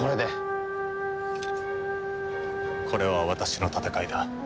これは私の戦いだ。